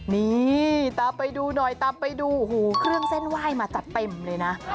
นี่ตามไปดูหน่อยตามไปดูโอ้โหเครื่องเส้นไหว้มาจัดเต็มเลยนะ